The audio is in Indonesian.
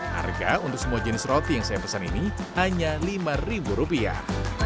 harga untuk semua jenis roti yang saya pesan ini hanya lima ribu rupiah